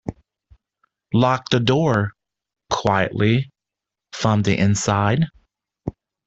Lock the door — quietly — from the inside.